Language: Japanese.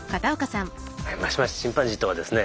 マシマシチンパンジーとはですね